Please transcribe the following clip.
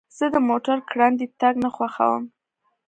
زه د موټر ګړندی تګ نه خوښوم.